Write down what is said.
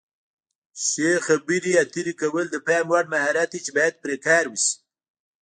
ښې خبرې اترې کول د پام وړ مهارت دی چې باید پرې کار وشي.